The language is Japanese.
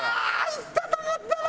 いったと思ったな。